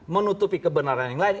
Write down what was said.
menutupi kebenaran yang lain